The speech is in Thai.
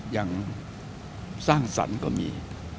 อย่างสร้างสรรค์ก็มี